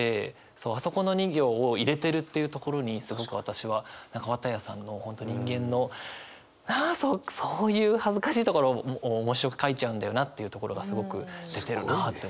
あそこの２行を入れてるっていうところにすごく私は綿矢さんの本当人間のそうそういう恥ずかしいところを面白く書いちゃうんだよなっていうところがすごく出てるなって思いましたね。